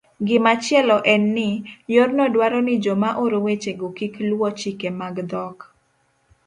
Gimachielo en ni, yorno dwaro ni joma oro wechego kik luwo chike mag dhok